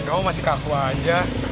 kamu masih kakuah aja